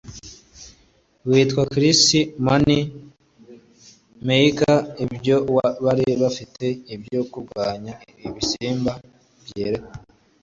witwa chris moneymaker ibyo bari bafite byo kurwanya ibisimba byegeranya.